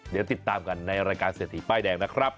เดี๋ยวติดตามกันในรายการเศรษฐีป้ายแดงนะครับ